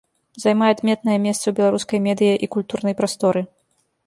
Займае адметнае месца у беларускай медыя- і культурнай прасторы.